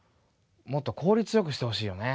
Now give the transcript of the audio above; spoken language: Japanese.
もっと効率よくしてほしいよね。